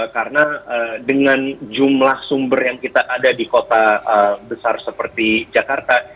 karena dengan jumlah sumber yang kita ada di kota besar seperti jakarta